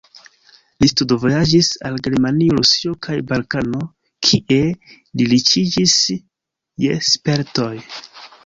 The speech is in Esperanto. Li studvojaĝis al Germanio, Rusio kaj Balkano, kie li riĉiĝis je spertoj.